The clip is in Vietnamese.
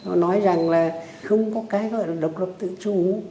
họ nói rằng là không có cái gọi là độc lập tự chủ